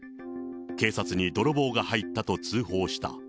警察に泥棒が入ったと通報した。